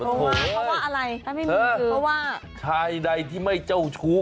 ถูกเลยเพราะว่าชายใดที่ไม่เจ้าชู้